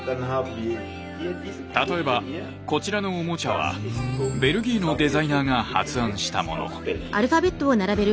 例えばこちらのオモチャはベルギーのデザイナーが発案したモノ。